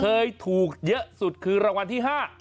เคยถูกเยอะสุดคือรางวัลที่๕